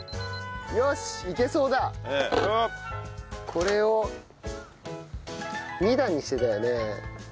これを２段にしてたよね。